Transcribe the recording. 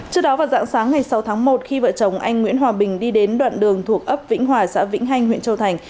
trước đó vào dạng sáng ngày sáu tháng một khi vợ chồng anh nguyễn hòa bình đi đến đoạn đường thuộc ấp vĩnh hòa xã vĩnh hành huyện châu thành